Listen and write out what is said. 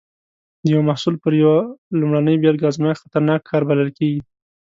د یو محصول پر یوه لومړنۍ بېلګه ازمېښت خطرناک کار بلل کېږي.